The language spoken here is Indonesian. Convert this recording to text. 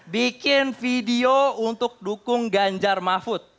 bikin video untuk dukung ganjar mahfud